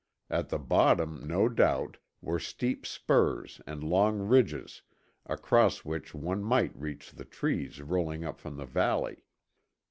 At the bottom, no doubt, were steep spurs and long ridges, across which one might reach the trees rolling up from the valley.